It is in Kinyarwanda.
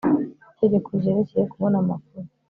itegeko ryerekeye kubona amakuru